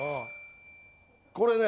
これね